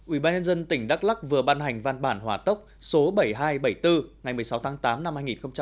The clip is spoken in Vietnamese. ủy ban nhân dân tỉnh đắk lắc vừa ban hành văn bản hỏa tốc số bảy nghìn hai trăm bảy mươi bốn ngày một mươi sáu tháng tám năm hai nghìn hai mươi